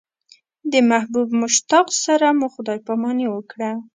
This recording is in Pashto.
د محبوب مشتاق سره مو خدای پاماني وکړه.